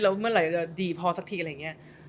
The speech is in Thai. แล้วเมื่อไหร่จะดีพอสักที